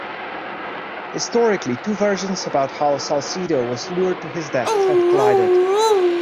Historically, two versions about how Salcedo was lured to his death have collided.